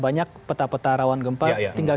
banyak peta peta rawan gempa tinggal